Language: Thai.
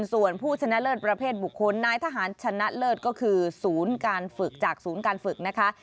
ส่วนผู้ชนะเลิศประเภทบุคคลนายทหารชนะเลิศก็คือศูนย์การฝึกจากศูนย์การฝึกนะคะ